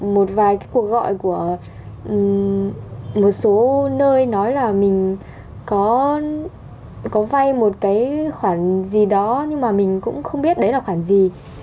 một số nơi nói là mình có vay một cái khoản gì đó nhưng mà mình cũng không biết đấy là khoản gì